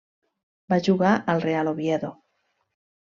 Va jugar al Real Oviedo.